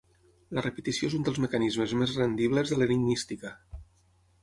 La repetició és un dels mecanismes més rendibles de l'enigmística.